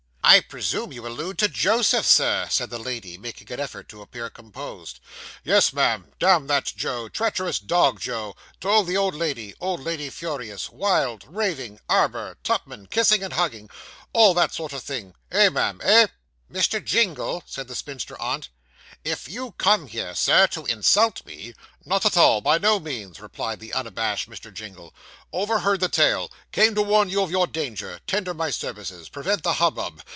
'I presume you allude to Joseph, Sir?' said the lady, making an effort to appear composed. 'Yes, ma'am damn that Joe! treacherous dog, Joe told the old lady old lady furious wild raving arbour Tupman kissing and hugging all that sort of thing eh, ma'am eh?' 'Mr. Jingle,' said the spinster aunt, 'if you come here, Sir, to insult me ' 'Not at all by no means,' replied the unabashed Mr. Jingle 'overheard the tale came to warn you of your danger tender my services prevent the hubbub.